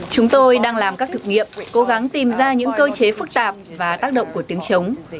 chúng tôi đang làm các thực nghiệm cố gắng tìm ra những cơ chế phức tạp và tác động của tiếng chống